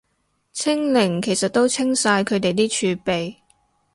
清零其實都清晒佢哋啲儲備